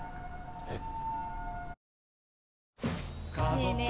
えっ？